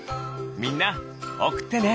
みんなおくってね！